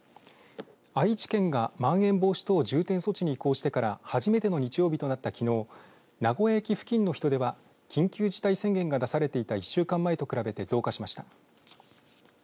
愛知県が、まん延防止等重点措置に移行してから初めての日曜日となった、きのう名古屋駅付近の人では緊急事態宣言が出された１週間前と比べて増加しました。